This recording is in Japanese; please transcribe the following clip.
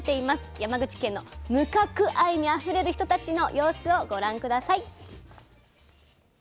山口県の「無角愛」にあふれる人たちの様子をご覧下さい。